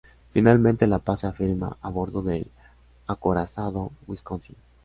Finalmente la paz se firma a bordo del Acorazado Wisconsin.